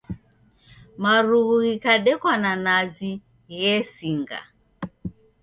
Marughu ghikadekwa na nazi ghesinga.